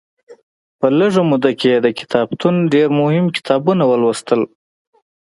په لږه موده کې یې د کتابتون ډېر مهم کتابونه ولوستل.